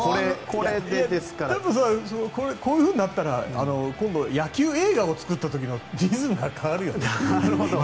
こういうふうになったら今度、野球映画を作った時のリズムが変わるよね。